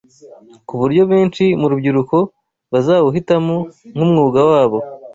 ku buryo benshi mu rubyiruko bazawuhitamo nk’umwuga wabo